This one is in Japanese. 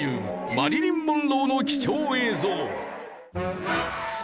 マリリン・モンローの貴重映像。